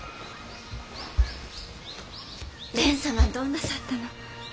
蓮様どうなさったの？